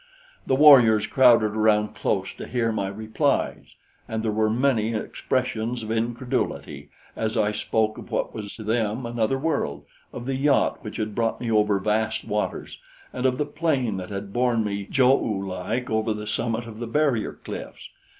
The warriors crowded around close to hear my replies, and there were many expressions of incredulity as I spoke of what was to them another world, of the yacht which had brought me over vast waters, and of the plane that had borne me Jo oo like over the summit of the barrier cliffs.